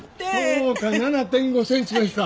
そうか７．５センチの日か。